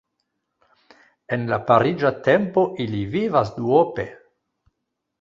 En la pariĝa tempo ili vivas duope.